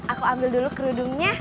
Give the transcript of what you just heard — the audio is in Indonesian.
aku ambil dulu kerudungnya